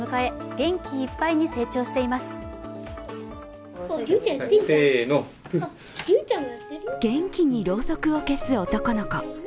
元気にろうそくを消す男の子。